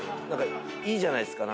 いいじゃないですか。